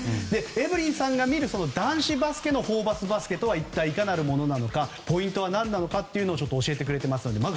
エブリンさんが見る男子バスケのホーバスバスケとは一体いかなるものなのかポイントを教えてくれています。